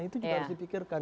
itu juga harus dipikirkan